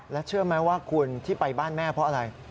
แล้วเชื่อไหมว่าคุณที่ไปบ้านแม่เพราะอะไร